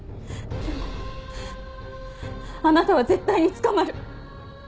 でもあなたは絶対に捕まる！